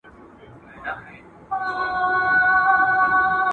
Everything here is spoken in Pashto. په څېړنه کې له ساینس څخه ګټه اخیستل کیږي.